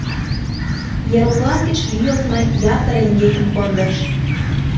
Ероплан гыч лӱйылтмӧ ятыр эҥгекым кондыш.